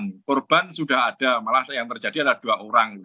yang korban sudah ada malah yang terjadi adalah dua orang